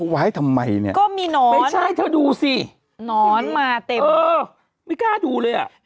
หวายทำไมนี่ไม่ใช่เธอดูสินอนมาเต็มไม่กล้าดูเลย